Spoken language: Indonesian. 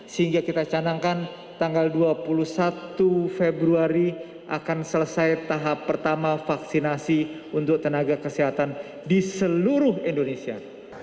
sehingga kita canangkan tanggal dua puluh satu februari akan selesai tahap pertama vaksinasi untuk tenaga kesehatan di seluruh indonesia